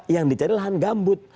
yang dicari lahan gambut